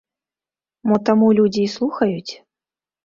Мо таму людзі і слухаюць.